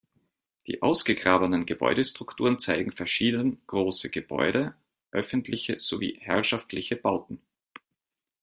Die ausgegrabenen Gebäudestrukturen zeigen verschieden große Gebäude, öffentliche sowie herrschaftliche Bauten.